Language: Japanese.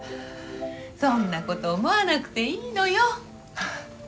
そんなこと思わなくていいのよ。